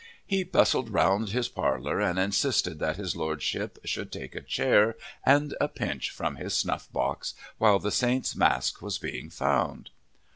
He bustled round his parlour and insisted that his Lordship should take a chair and a pinch from his snuff box, while the saint's mask was being found.